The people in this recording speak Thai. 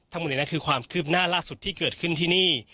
ทั้งหมดนี้คือความคืบหน้าล่าสุดที่เกิดขึ้นที่นี่